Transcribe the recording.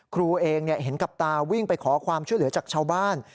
ครูเองเห็นกับตาวิ่งไปขอความช่วยเหลือจากชาวบ้าน